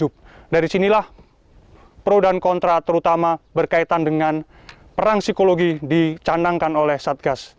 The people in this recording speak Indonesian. perang psikologi dicanangkan oleh satgas